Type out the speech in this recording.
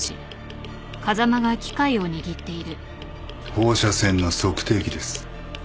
放射線の測定器です。